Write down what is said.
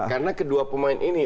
karena kedua pemain ini